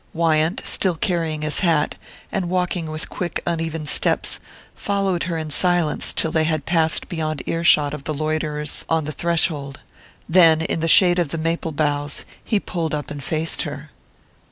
Wyant, still carrying his hat, and walking with quick uneven steps, followed her in silence till they had passed beyond earshot of the loiterers on the threshold; then, in the shade of the maple boughs, he pulled up and faced her.